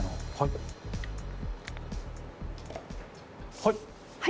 はい。